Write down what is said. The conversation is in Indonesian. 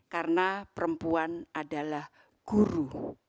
karena perempuan adalah guru